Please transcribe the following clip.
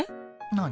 何？